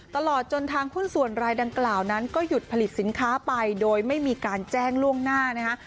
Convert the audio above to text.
ตลอดจนทางหุ้นส่วนรายดังกล่าวนั้นก็หยุดผลิตสินค้าไปโดยไม่มีการแจ้งล่วงหน้านะคะ